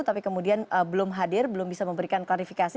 tapi kemudian belum hadir belum bisa memberikan klarifikasi